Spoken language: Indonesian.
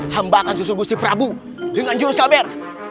hambakan susu gusti prabu dengan jurus kabir